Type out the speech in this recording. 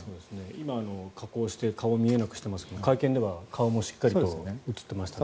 今、加工して顔を見えなくしていますが会見では顔もしっかりと映ってました。